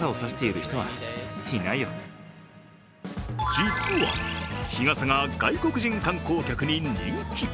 実は日傘が外国人観光客に人気。